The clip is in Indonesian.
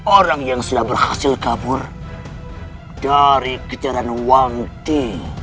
orang yang sudah berhasil kabur dari kejaran wang ti